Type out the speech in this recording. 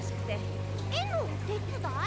えのおてつだい？